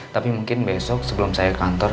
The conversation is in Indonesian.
tapi mungkin besok sebelum saya ke kantor